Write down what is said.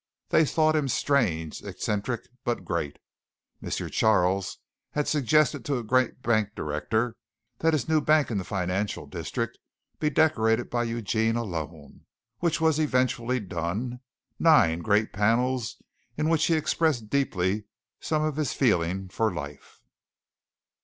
They thought him strange, eccentric, but great. M. Charles had suggested to a great bank director that his new bank in the financial district be decorated by Eugene alone, which was eventually done nine great panels in which he expressed deeply some of his feeling for life.